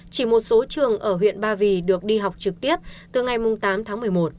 chỉ một số trường ở huyện ba vì được đi học trực tiếp từ ngày tám tháng một mươi một